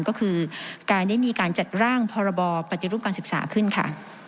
ก็คือการได้มีการจัดร่างพรบปฏิรูปการศึกษาขึ้นค่ะ